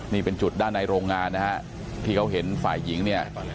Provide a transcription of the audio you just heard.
นี่เป็นจุดด้านในโรงงานนะฮะที่เขาเห็นฝ่ายหญิงเนี่ย